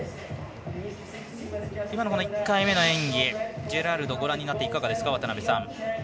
今の１回目の演技、ジェラルドご覧になっていかがですか。